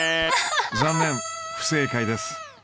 残念不正解です。